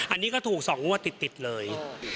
อันนี้ก็ถูก๒งวดติดเลย